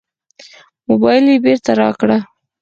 موبایل یې بېرته راکړ.